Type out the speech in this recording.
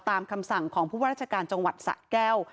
ตามคำสั่งของผู้บรรจการจงหวัดสะแก้ว